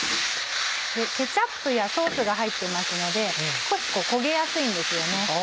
ケチャップやソースが入っていますので少し焦げやすいんですよね。